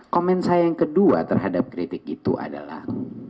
komen saya yang kedua terhadap kritik itu adalah